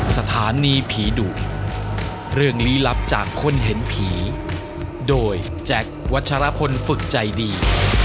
สถานีผีดุเรื่องลี้ลับจากคนเห็นผีโดยแจ็ควัชรพลฝึกใจดี